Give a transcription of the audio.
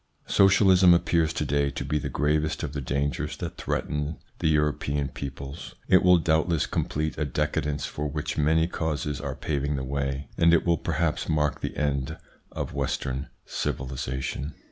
Socialism appears to day to be the gravest of the dangers that threaten the European peoples. It will doubtless complete a decadence for which many causes are paving the way, and it will perhaps mark the end of Western civilisation.